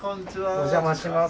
お邪魔します。